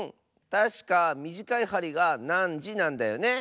たしかみじかいはりが「なんじ」なんだよね。